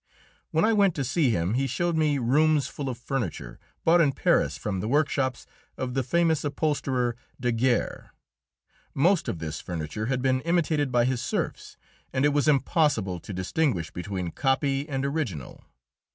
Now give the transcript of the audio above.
When I went to see him he showed me rooms full of furniture, bought in Paris from the workshops of the famous upholsterer, Daguère. Most of this furniture had been imitated by his serfs, and it was impossible to distinguish between copy and original.